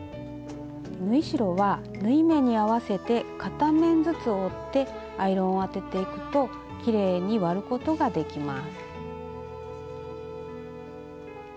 縫い代は縫い目に合わせて片面ずつ折ってアイロンを当てていくときれいに割ることができます。